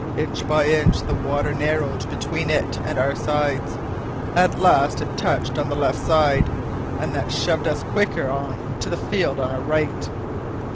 Inch by inch the water narrowed between it and our sides. At last it touched on the left side, and that shoved us quicker on to the field on our right.